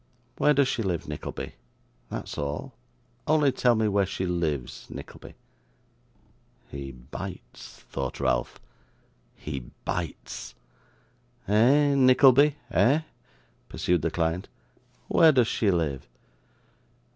Where does she live, Nickleby, that's all? Only tell me where she lives, Nickleby.' 'He bites,' thought Ralph. 'He bites.' 'Eh, Nickleby, eh?' pursued the client. 'Where does she live?